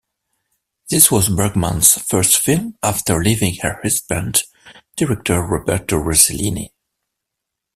This was Bergman's first film after leaving her husband, director Roberto Rossellini.